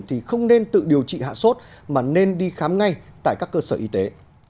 thì không nên tự điều trị hạ sốt mà nên đi khám ngay tại các cơ sở y tế